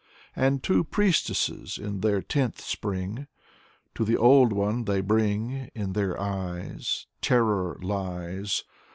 And two priestesses in their tenth Spring To the old one they bring. In their eyes Terror lies.